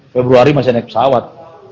februari masih naik pesawat